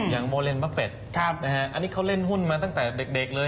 โมเลนมะเฟ็ดอันนี้เขาเล่นหุ้นมาตั้งแต่เด็กเลย